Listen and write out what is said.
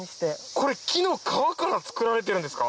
これ木の皮から作られてるんですか？